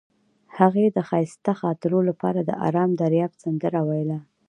هغې د ښایسته خاطرو لپاره د آرام دریاب سندره ویله.